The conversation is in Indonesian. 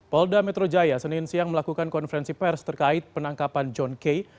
polda metro jaya senin siang melakukan konferensi pers terkait penangkapan john kay